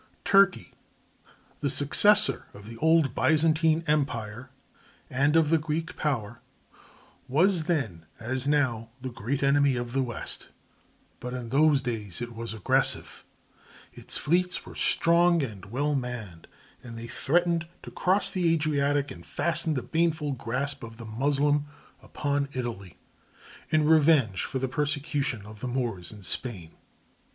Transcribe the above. Turkey—the successor of the old Byzantine empire and of the Greek power—was then, as now, the great enemy of the west, but in those days it was aggressive. Its fleets were strong and well manned, and they threatened to cross the Adriatic and fasten the baneful grasp of the Moslem upon Italy in revenge for the persecution of the Moors in Spain.